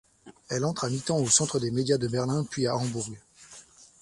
Elle entre à mi-temps au centre des médias de Berlin puis à Hambourg.